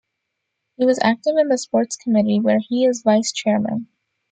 He was active in the Sports Committee where he is Vice Chairman.